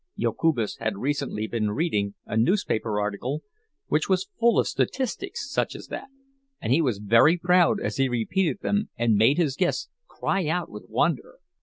Jokubas had recently been reading a newspaper article which was full of statistics such as that, and he was very proud as he repeated them and made his guests cry out with wonder.